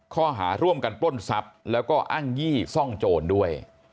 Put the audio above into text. ข้อหาร่วมกันปล้นทรัพย์แล้วก็อ้างยี่ซ่องโจรด้วย